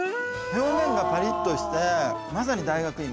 表面がパリッとしてまさに大学芋。